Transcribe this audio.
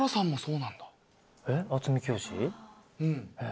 うん。